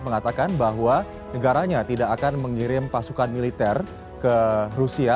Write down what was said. mengatakan bahwa negaranya tidak akan mengirim pasukan militer ke rusia